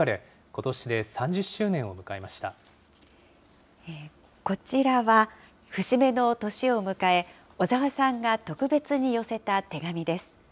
こちらは、節目の年を迎え、小澤さんが特別に寄せた手紙です。